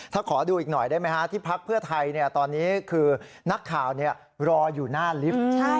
ถ้าขอดูอีกหน่อยได้ไหมฮะที่พักเพื่อไทยตอนนี้คือนักข่าวรออยู่หน้าลิฟต์